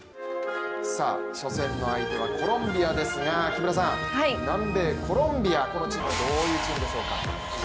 さあ、初戦の相手はコロンビアですが、南米コロンビア、このチームはどういうチームでしょうか？